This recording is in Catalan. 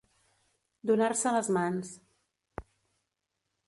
Donar-se les mans.